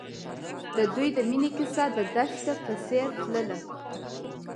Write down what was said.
د دوی د مینې کیسه د دښته په څېر تلله.